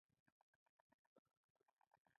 احمد تل خوشی ګډېږي.